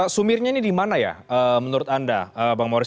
sumirnya ini di mana ya menurut anda bang mauri